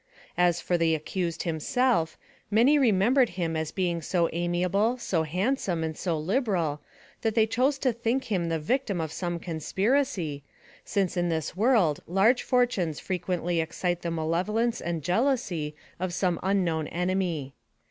As for the accused himself, many remembered him as being so amiable, so handsome, and so liberal, that they chose to think him the victim of some conspiracy, since in this world large fortunes frequently excite the malevolence and jealousy of some unknown enemy.